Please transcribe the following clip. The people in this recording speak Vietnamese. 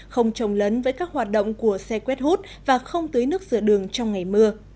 không trồng lấn với các hoạt động của xe quét hút và không tưới nước rửa đường trong ngày mưa